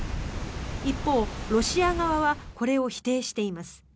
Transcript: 一方、ロシア側はこれを否定しています。